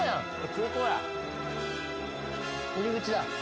空港や入り口だ